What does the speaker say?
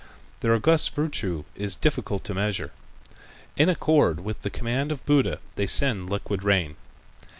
Their august virtue is difficult to measure. In accord with the command of Buddha they send liquid rain.